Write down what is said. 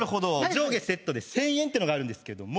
上下セットで１０００円のがあるんですけども。